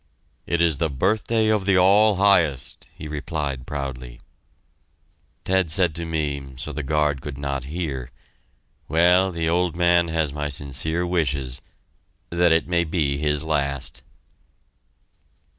"It is the birthday of the All Highest," he replied proudly. Ted said to me, so the guard could not hear, "Well, the old man has my sincere wishes that it may be his last."